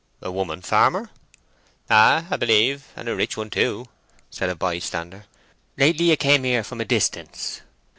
"A woman farmer?" "Ay, 'a b'lieve, and a rich one too!" said a bystander. "Lately 'a came here from a distance.